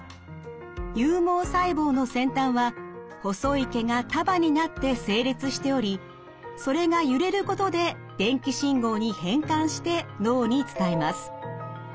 有毛細胞の先端は細い毛が束になって成立しておりそれが揺れることで電気信号に変換して脳に伝えます。